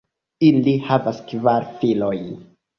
Ili havas kvar filojn.